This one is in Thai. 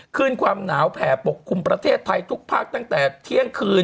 คืนความหนาวแผ่ปกคลุมประเทศไทยทุกภาคตั้งแต่เที่ยงคืน